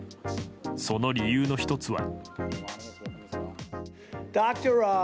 その理由の１つは。